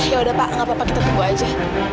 ya udah pak gak apa apa kita tunggu aja